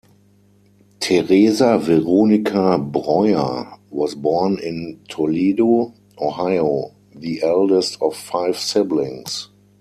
Theresa Veronica Breuer was born in Toledo, Ohio, the eldest of five siblings.